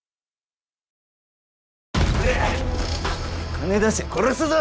金出せ殺すぞ。